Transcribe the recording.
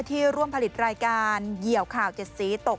ที่ร่วมผลิตรายการเหยี่ยวข่าว๗สีตก